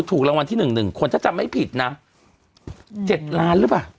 ถูกรางวัลที่หนึ่งหนึ่งคนถ้าจำไม่ผิดน่ะเจ็ดล้านหรือเปล่า